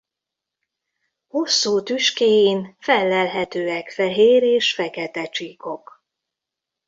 Hosszú tüskéin fellelhetőek fehér és fekete csíkok.